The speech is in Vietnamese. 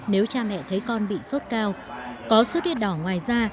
nếu cha mẹ thấy con bị sốc cao có xuất huyết đỏ ngoài da